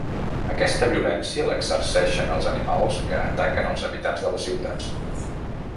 Aquesta violència l'exerceixen els animals que ataquen els habitants de les ciutats.